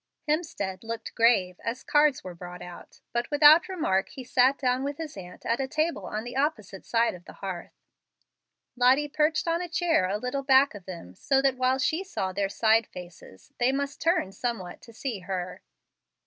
Hemstead looked grave, as cards were brought out, but without remark he sat down with his aunt at a table on the opposite side of the hearth. Lottie perched on a chair a little back of them, so that while she saw their side faces they must turn somewhat to see her.